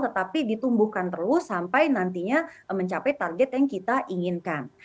tetapi ditumbuhkan terus sampai nantinya mencapai target yang kita inginkan